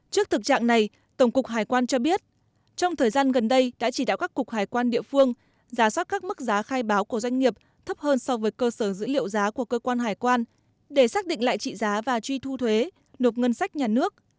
trước thực trạng này tổng cục hải quan cho biết trong thời gian gần đây đã chỉ đạo các cục hải quan địa phương giả soát các mức giá khai báo của doanh nghiệp thấp hơn so với cơ sở dữ liệu giá của cơ quan hải quan để xác định lại trị giá và truy thu thuế nộp ngân sách nhà nước